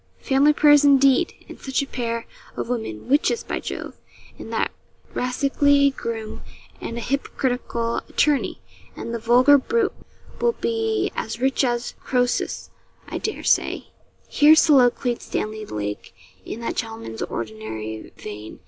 'Family prayers indeed! and such a pair of women witches, by Jove! and that rascally groom, and a hypocritical attorney! And the vulgar brute will be as rich as Croesus, I dare say.' Here soliloquised Stanley Lake in that gentleman's ordinary vein.